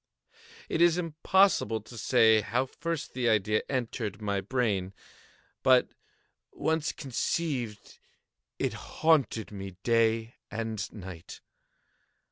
It is impossible to say how first the idea entered my brain; but once conceived, it haunted me day and night.